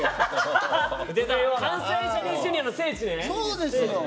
そうですよ！